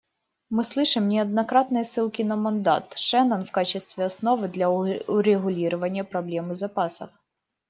Мы слышим неоднократные ссылки на мандат Шеннон в качестве основы для урегулирования проблемы запасов.